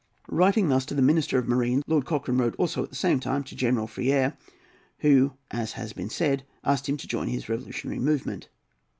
Writing thus to the Minister of Marine, Lord Cochrane wrote also at the same time to General Freire, who, as has been said, asked him to join his revolutionary movement.